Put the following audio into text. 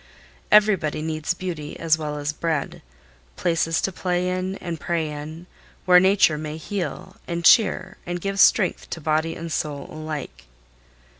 Everybody needs beauty as well as bread, places to play in and pray in, where Nature may heal and cheer and give strength to body and soul alike.